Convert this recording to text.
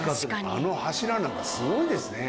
あの柱なんかすごいですね。